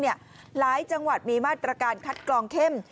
หลายจังหวัดมีมาตรการคัดกรองเข้ม